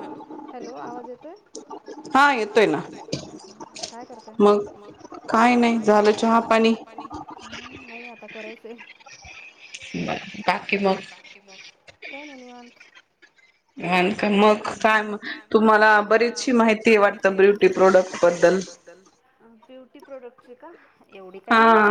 Hello hello आवाज येतोय हा येतोय ना काय करतय मग काय नाही झालं चहा पाणी नाही आता करायच ते बर बाकी मग का नाही निवत का मग काय तुम्हाला बरीचशी माहिती वाटतं ब्युटी प्रोडक्ट बद्दल ब्युटी प्रोडक्टची का एवढी काही नाही फ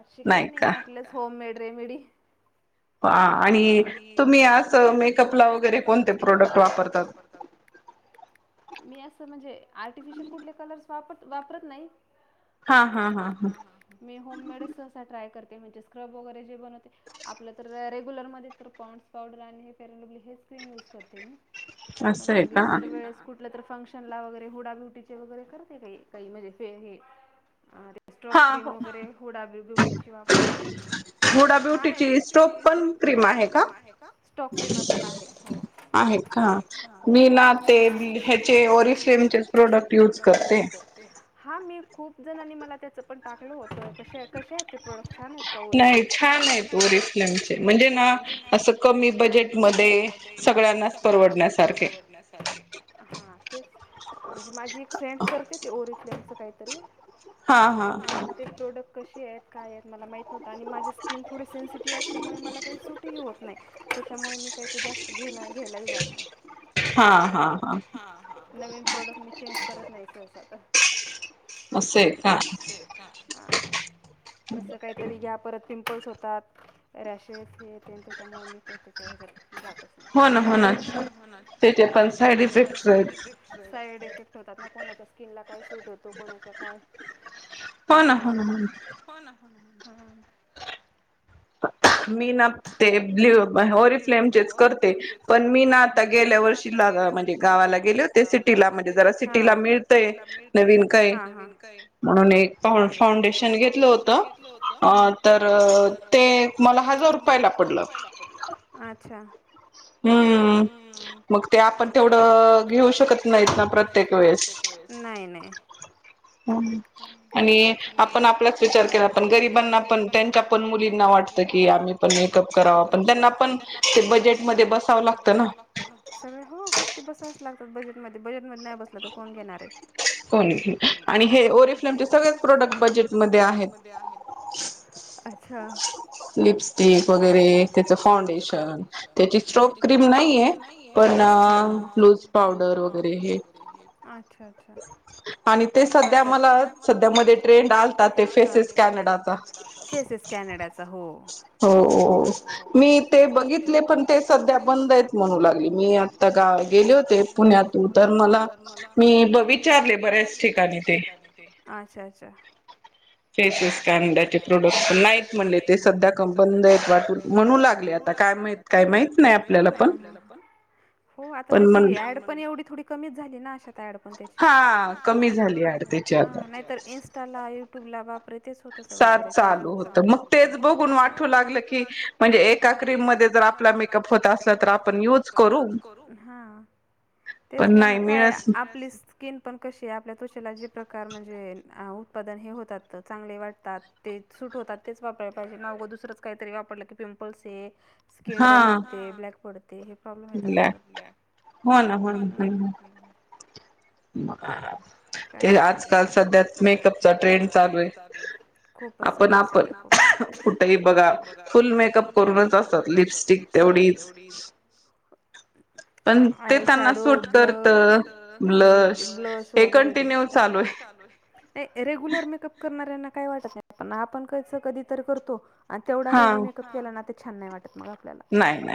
अशी काही नाही आपलंच होममेड रे मिेडी ह आणि तुम्ही आ मेकअपला वगैरे म्ह वापरत वापरत नाही मी होम मेडिसन ट्राय करते ते म्हणजे स्क्रब वगैरे जे बनवते आपलं तर रेग्युलर म तर पॉन्स पावडर आणि हे फेरडली हे क्रीम युूज करते मी पण मग इतर वेळेस कुठलं तर फंक्शन ला वगैरे हुडा ब्युटीचे वगैरे करते काई काई म्हणजे फे हे अ स्ट्रॉप क्रीम वगैरे हुडा ब्यु ब्युटीची वापरते छान आहे. ब्युटीची स्ट्रॉक पण क्रीम आहे का? स्ट्रॉक क्रीम पण आहे. आहे का मी ना ते ह्याचे ओरिफ्लेमचेच प्रोडक्ट यूज करते. खूप जणांनी मला त्याचं पण टाकलं हो क कशे आहेत ते प्रोडक्ट छान आहेत का? ओरिफ्लेम चे छान आहेत ओरिफ्लेम चे म्हणजे ना असं कमी बजेट मध्ये सगळ्यांना परवडण्यासारखे हं. ते च म्हणजे माझी एक फ्रेंड करते ते ओरिफ्लेम च काहीतरी हां हां पण ते प्रोडक्ट कशी आहेत काय त मला माहीत नव्हंत आणि माझे स्किन थोडी सेन्सिटिव्ह असल्यामुळे मला काही सुटही होत नाही त्याच्यामुळे मी ते त जास्त घ्यायला घ्यायला ही जात नाही. हां नविन प्रॉडक्ट मी चेंज करत नाही सह [unintelligible] असंय का? कसं काहीतरी घ्या परत पिंपल्स होतात रॅशेस हे येते ते अन त्याच्यामुळं मी काय त्याच्या ह्याच्या जातच नाही हो न हो न त्याचेपण साईड इफेक्ट्स साईड इफेक्ट् होतात न कोणा स्कीनला काय् सु सुट होतो कोणाच्या काय, त्याच्यामुळे हो ना हो ना हो ना हम्म. मी ना ते ब्लू ओरिफ्लेम म हे ओरीफ्लेमचेचं करते पण मी ना आता गेल्या वर्षी ला म्हणजे गावाला गेले होते, सिटी जरा सिटीला मिळतंय. हा हा नवीन काय म्हणून एक फॉ फाउंडेशन घेतलं होतं अ तर ते मला हजार रुपयाला पडलं. हम्म मग ते आपण तेवढं अ घेऊ शकत नाहीत ना प्रत्येक वेळेस आणि आपण आपलाच विचार केला पण, गरीबांना पण त्यांच्या पण मुलींना वाटतं कि, आम्ही पण मेकअप करावा पण त्यांना पण ते ब जेट मध्ये बसावं लागतं ना? सगळ्या हो गोष्टी बसावचं लाग बजेटमध्ये बजेट मध्ये नाही बसलं तर कोण घेणार आहे? कोण घेई आणि हे ओरफ्लेमचे सगळेच प्रोडक्ट बजेट मध्ये आहेत. अ च्छा लिपस्टिक वगैरे त्याचं फॉऊ शन त्याची स्ट्रोप क्रिम नाहीये पण अ लूज पावडर वगैरे हे अच्छा अच्छा करतात आणि ते सध्या मला सध्या मध्ये ट्रेंड आलाता ते फेसेस कॅनडाचा फेसेस कॅनडाचा हो-हो मी- ते बघितले पण ते सध्या बंद आहेत म्हणू लागले, मी आता गा गेले होते, पुण्यात तर मला मी विचारले बऱ्याच ठिकाणी ते, अच्छा अच्छा. फेसेस कॅनडाचे प्रोडक्ट तर नाहीत म्हटले ते सध्या क बंद आहे म्हणू लागले ते आता काय माहि काय माहित, काही माहीत नाही आपल्याला पण, हो आता त्याची ऍड पण एव्हढी थोडी कमीच झाली ना अशी आता ऍड पण त्याची हा कमी झाली आता त्याची ऍड नाहीतर इंस्टाला यूट्यूबला वा परत तेच होतं सगळीकडे फेसबुक वगैरे, मग तेच बघून वाठू लागलं की, म्हणजे एका क्रिममध्ये जर आपला मेकअप होत असला तर आपण यूज करू, हां- तेच ना म काय आपली स्किन पण कशी आपल्या त्वचेला जे प्रकार म्हणजे आं, उत्पादन हे होतात त चांगले वाटतात ते सूट होतात तेच वापरायला पाहिजे ना? उगं दुसरंच काहीतरी वापरलं की पिंपल्स हे- स्किन डल होते, हा ब्लॅक पडते. ते हे प्रॉब्लेम येतात परत, हो न- काय आजकाल सध्या मेकअपचा ट्रेंड चालू आहे खूपच चालू आहे सध्या हो आप कुठेही बघा फुल मेकअप करून असतात लिपस्टिक तेवढीच. आय श्याडो ब्लश, हे ते ब्लश वगैरे ते -रेग्युलर मेकअप करणारे - त्यांना काही वाटत नाही पण आपण काय कधीतरी करतो. तेवढा हेवी मेकअप केला ना ते- छान नाही वाट- म आपल्याला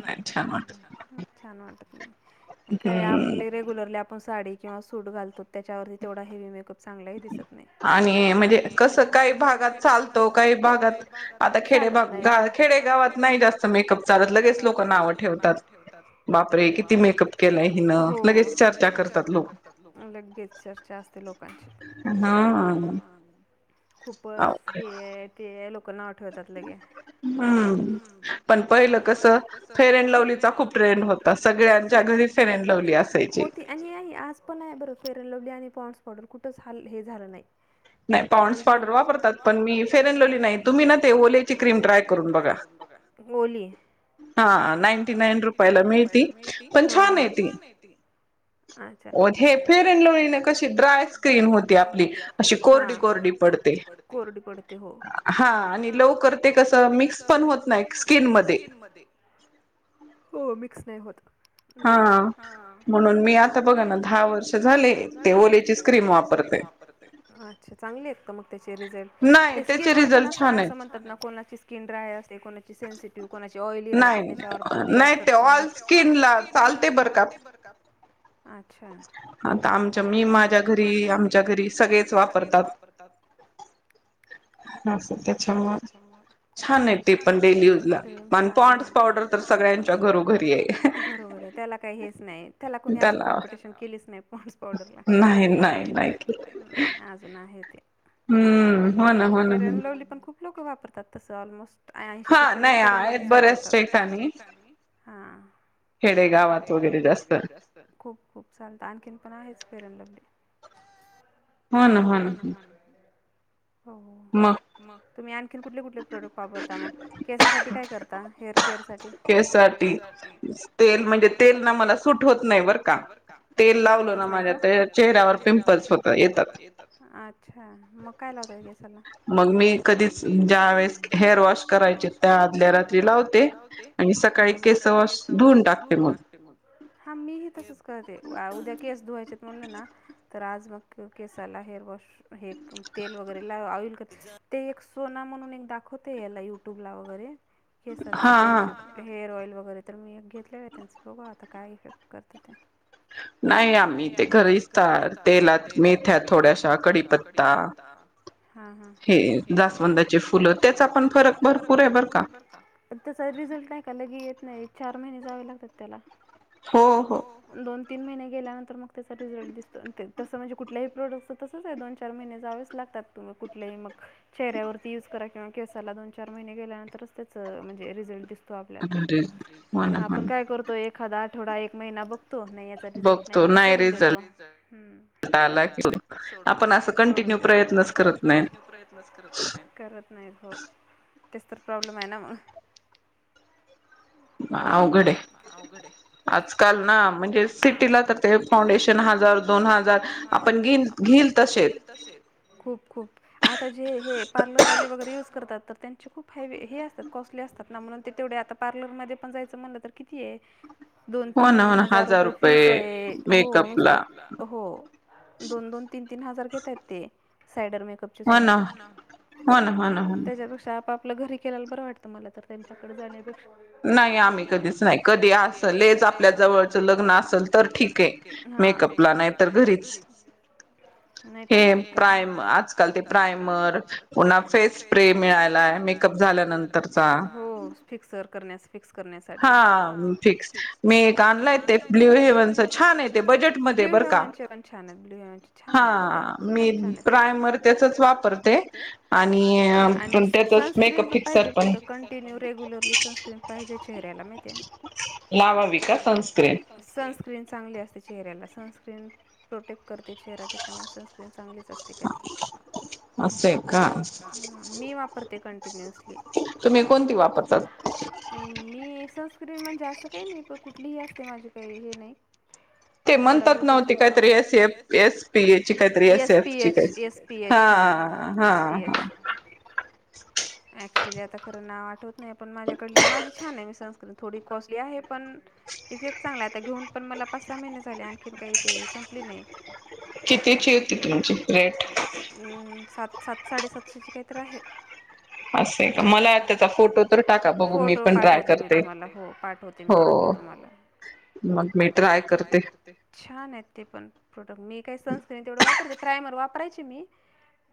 नाही नाही छान वाटत - छान वाटत नाही काय ये आपले रेगुलरली आपण - साडी किंवा सूट घालतो त्याच्यावरही तेवढा हेवी मेकअप- चांगलाही दिसत नाही, आणि म्हणजे कस काही भागात चालतो काही भागात चालत नाही हो खेडेगावात नाही जास्त मेकअप चालत लगेच लोक नावं ठेवतात बापरे किती मेकअप केलाय हिन -हो, लगेच चर्चा करतात लोक, लगेच चर्चा असते लोकांची. हं -खूपच हे ये ते - [unintelligible] कोण आठवतात लगे. हां पहिलं कस फेअर अँड लवली चा खूप ट्रेंड होता सगळ्यांच्या घरी फेयर अँड लवलीअसायची. होती आणि आणि आज पण आयब्रो [unintelligible] [unintelligible] पॉर्डर कुठच हल हे झालं नाही. नाही पाऊंड्स पावडर वापरतात पण मी फेअर अँड लव्हली नाही, तुम्ही ना ती ओलेची क्रीम ट्राय करून बघा. ओली. हा नाईनटी नाईन रुपयाला मिळती पण छान आहे ती- अच्छा, हे फेअर अँड लव्हलीन कशी ड्राय स्किन होती आपली, कोरडी कोरडी पडते, कोरडी पडते हो, हा- आणि लवकर ते कस मिक्स पण- नाही, स्किन मध्ये हो मिक्स नाही होत. बरोबर आहे म्हणून मी आता बघा ना, दहा वर्ष झाले ते ओलेचीच क्रीम वापरतेछ चांगली त्याचा रिझल्ट ते स्किन वर पण असतना अस म्हणतात ना, कोणाची स्किन ड्रायअसते कोणा कोणाची ऑली राहते त्याच्यावर पण ते असतात स्किन चालते बर. आता आमच्या मी माझ्या घरी आमच्या घरी सगळेच वापरतात अस त्याच्यामुळे छान आहे ते पण डेली एकदम छान आहे. घरोघरी आहे, त्याला काही हेच नाही, त्याला कोणी अजून कॉम्पिटिशन केली. मोनस पावडरला नाही नाही, अजून आहे ते हम्म फेअर लावली पण खूप लोक वापर [unintelligible] अऐंशी ट [unintelligible] आणखीण ह हो ना हो ना हो मग तुम्ही आण क कुठले कुठले प्रोडक्ट वापरतात मग [unintelligible] ज्यावेेळेस हेअर वॉश करायचे. ट [unintelligible] [unintelligible] कर ते उद्या केस धुवायचे, म्हणलं ना तर आज मग केसाला हेअर वॉश, हे तेल वगैरे लाल ते एक सोना म्हणून एक दाखवते याला युट्यूब [unintelligible] वगैर केसाच तेल हेअर ऑइल वगैर, बर तर मी एक घेतलेलं आहे. त्यांचं बघू आता काय इफेक्ट करतं त्या नाही आम्ही ते घरीच तर तेलात मेथ्यात थोड्याशा कडीपत्ता, हे जास्वंदाची फुलं, त्याच आपण फरक भरपूर भरपूर आहे बर का, तसा रिझल्ट टाकायला लगी येत नाही. चार महिने जावे लागतात त्याला, दोन तीन महिने गेल्यानंतर मग त्याचा रिझल्ट दिसतो, तसं म्हणजे कुठल्याही प्रोडक्टचं तसच आहे दोन-चार महिने जावेच लागतात तुम्ही मग कुठल्याही मग चेहऱ्यावरती युज करा किंवा केसाला दोन चार महिने गेल्यानंतरच त्याच म्हणजे रिझल्ट दिस तो आपल्याला, आपण काय करतो ए खादा आठवडा एक महिना बघ.. तो नाही याचा रिझल्ट नाही म्हणून सोडून देतो, कंटाळा आला की सोडून देतो, सोडून देतो. आपण अस कन्टिन्यू प्रयत्नच करत नाही. तेच तर प्रॉब्लेम आहे ना मग. मग अवघड आहे, आजकाल ना म्हणजे सिटीला तर ते फाऊंडेशन हजार दोन हजार आपण घेईल घेईल तसे आहेत. खूप खूप आता जे हे पार्लरवाले वगैरे युज करतात तर त्यांची खूप हे असतात कॉस्टली असतात ना म्हणून ते तेवढे आता पार्लरमध्ये पण जायचं म्हणलं तर किती आहे दोन तीन हजार रुपये फीस आहे, हो नुसतं हो दोन-दोन तीन -तीन हजार घेतायत ते सायडर मेकपचेसुद्धा त्याच्यापेक्षा आपाप ल घरी केल्याला बरं वाटतं मला तर त्यांच्याकडे जाण्यापे नाही आम्ही कधीच नाही कधी असल लयच आपल्या जवळच लग्न असल तर ठीक आहे मेकअपला नाही तर घरीच हे प्रायम आजकाल ते प्रायमर पुन्हा फेस स्प्रे मिळालाय मे हो फिक्सर. करण्यास फिक्स करण्यासाठी, हा फिक्स मी एक आणलाय ते ब्ल्यू हेवनचा छान आहे ते बजेट, ब्ल्यू हेवनचे पण छान आहेत, ब्ल्यू हेवनचे छान आहेत प्रोडक्ट, प्रोडक्ट छान आहेत त्याचे, प्रायमर त्याचच वापरते आणि ते आणि सनस्क्रीन पण पाहिजे बरं कंटिन्यू रेग्युलर ‍ सनस्क्रीन पाहिजे चेहऱ्याला माहित आहे. सन स्क्रीन चांगली असते चेहऱ्याला, सनस्क्रीन प्रोटेक्ट करते चेहरा त्याच्यामुळे सनस्क्रीन चांगली च असते कधी. असय का. मी वापर ते कंटिन्यूअस तुम्ही कोणती वापरता? मी सन स्क्रिन म्हणजे असं काही नाही प कुठलीही असते माझे काही हे नाही. ते म्हणतात नव्ह ते कायतरी S F, S P A ची कायतरी एस एफ ची काही हा हा ऍक्च्युली आता खरं ना आठवत नाही पण माझ्याकडली माझी छान आहे मी सनस्क्रीन थोडी कॉस्टली आहे पण इफेक्ट चांगला आहे. आता घेऊन पण मला पाच सहा महिने झाले आणखीन काही ते संपली नाही. कितीची होती तुमची रेट? हम्म सात सात साडेसातशेची काहीतर आहे. फोटो पाठवते मी तुम्हाला हो पाठवते मी फोटो तुम्हाला, छान आहेत ते पण प्रोडट मी काही सनस्क्रीन तेवढ वाप प्रायमर वापरायची मी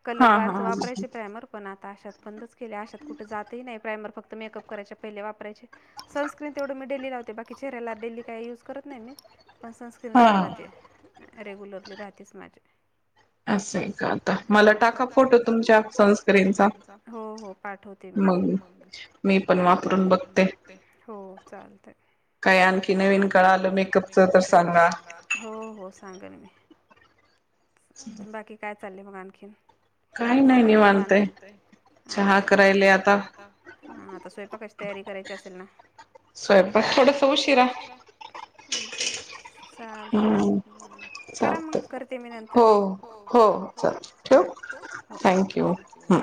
कलर बारच वापरायचे प्रायमर पण आ ताशात बंदच केल अशात कुठं जातही नाही प्रायमर फक्त मेकअप कयचे पहिले वापरायचे. सनस्क्र्रीन तेवड मिट डेली लावते. बाकी चेहऱ्याला डेली काही युज करत नाही मी. पण सन्न्सस्कीन रोज राजी ये रेग्युलरली राहतेच माझे असं आहे का? आता मला टाका फोटो तुमच्या सनस्क्रीनचा. हो हो पाठवते मी. मी पण वापरून बघते हो चालत की आणखी नवीन कळालं मेकअप तर सांगा. हो हो सांगन मी. बाकी काय? चालले मग आणखीन. काही नाही निवांतय. चहा करायला आता. आता स्वयंपाकाची तयारी करायची असेल ना? स्वयंपाक थोडस उशिरा चालते करा मग, करते मी नंतर. हो हो बाय हो थँक्यू